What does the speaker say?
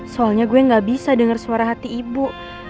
soalnya gue gak bisa dengar suara hati ibu